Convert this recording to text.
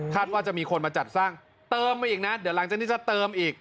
ว่าจะมีคนมาจัดสร้างเติมมาอีกนะเดี๋ยวหลังจากนี้จะเติมอีก